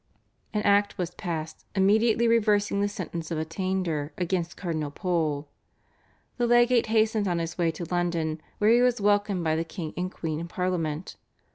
An Act was passed immediately reversing the sentence of Attainder against Cardinal Pole. The legate hastened on his way to London where he was welcomed by the King and Queen and Parliament.